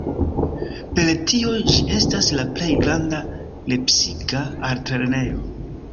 Per tio ĝi estas la plej granda lepsika altlernejo.